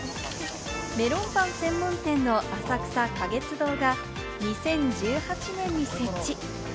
メロンパン専門店の浅草花月堂が２０１８年に設置。